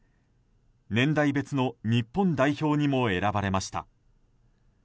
年代別の日本代表にも選ばれました。